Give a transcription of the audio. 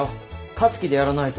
勝つ気でやらないと。